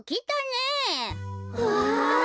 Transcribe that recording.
わあ！